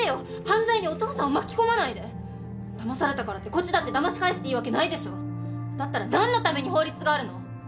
犯罪にお父さんを巻き込まないでだまされたからってこっちだってだまし返していいわけないでしょだったら何のために法律があるの？